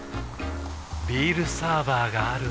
ビールサーバーがある夏。